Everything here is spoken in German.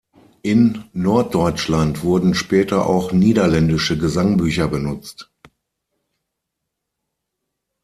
In Norddeutschland wurden später auch niederländische Gesangbücher benutzt.